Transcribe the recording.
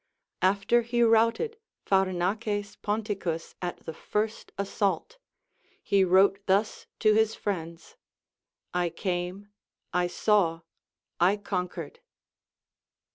After he routed Pharnaces Ponticus at the first assault, he wrote thus to his friends, I came, I saw, I conquered.